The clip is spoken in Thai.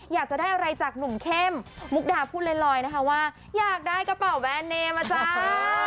อยากจะได้อะไรจากหนุ่มเข้มมุกดาพูดลอยนะคะว่าอยากได้กระเป๋าแวนเนมอ่ะจ้า